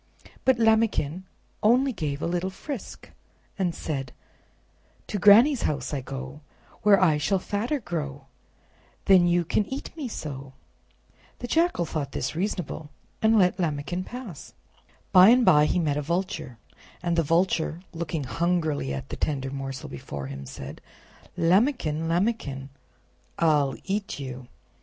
But Lambikin only gave a little frisk and said: "To Granny's house I go, Where I shall fatter grow, Then you can eat me so." The Jackal thought this reasonable, and let Lambikin pass. By and by he met a Vulture, and the Vulture, looking hungrily at the tender morsel before him, said: "Lambikin! Lambikin! I'll EAT YOU!"